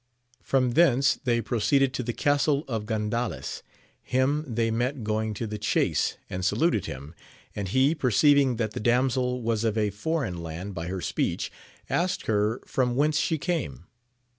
From thence they proceeded to the castle of Gandales ; him they met going to the chace, and saluted him ; and he, perceiving that the damsel was of a foreign land by her speech, asked her from whence she came.